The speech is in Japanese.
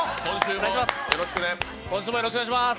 よろしくお願いします。